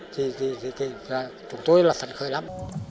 thì chúng tôi là phần khởi lắm